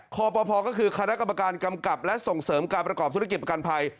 คอปภก็คือคณะกรรมการกำกับและส่งเสริมการประกอบธุรกิจประกันภัย